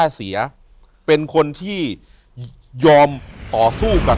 อยู่ที่แม่ศรีวิรัยิลครับ